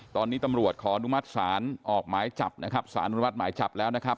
ตอนนี้ตำรวจขออนุมัติศาลออกหมายจับนะครับสารอนุมัติหมายจับแล้วนะครับ